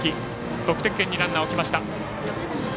得点圏にランナー置きました。